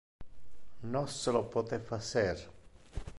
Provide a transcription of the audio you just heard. Nos lo pote facer.